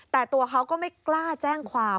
แต่ตัวเขาก็ไม่กล้าแจ้งความ